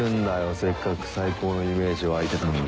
せっかく最高のイメージ湧いてたのに。